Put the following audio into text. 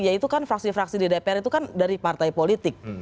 ya itu kan fraksi fraksi di dpr itu kan dari partai politik